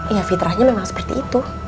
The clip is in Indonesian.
ya fitrahnya memang seperti itu